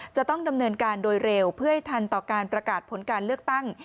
จะต้องดำเนินการโดยเร็วเพื่อให้ทันต่อการประกาศผลการเลือกตั้ง